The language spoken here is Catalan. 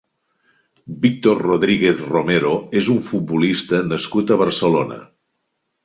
Víctor Rodríguez Romero és un futbolista nascut a Barcelona.